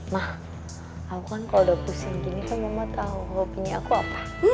ma aku kan kalau udah pusing gini kan mama tau hobi aku apa